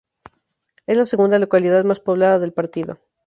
Es la segunda localidad más poblada del partido.